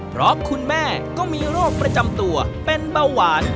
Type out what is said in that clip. เพราะคุณแม่ก็มีโรคประจำตัวเป็นเบาหวาน